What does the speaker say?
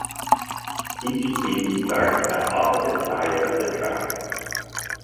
Each team starts at opposite sides of the track.